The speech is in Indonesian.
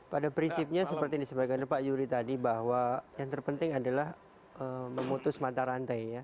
pada prinsipnya seperti yang disampaikan pak yuri tadi bahwa yang terpenting adalah memutus mata rantai ya